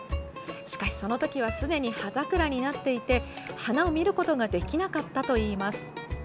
しかし、その時はすでに葉桜になっていて花を見ることができなかったといいます。